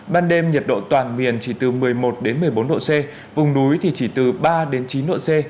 ban đêm nhiệt độ toàn miền chỉ từ một mươi một đến một mươi bốn độ c vùng núi thì chỉ từ ba đến chín độ c